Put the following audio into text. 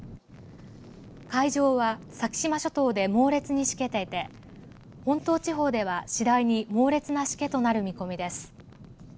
海上は先島諸島で猛烈にしけていて本島地方では次第に猛烈なしけとなる見込みです。